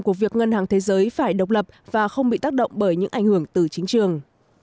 của việc ngân hàng thế giới phải độc lập và không bị tác động bởi những ảnh hưởng từ chính trường